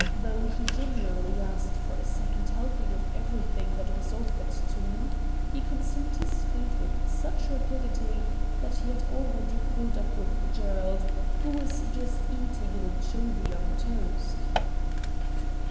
Though he generally asked for a second helping of everything that was offered to him, he consumed his food with such rapidity that he had already caught up with Gerald, who was just eating an anchovy on toast.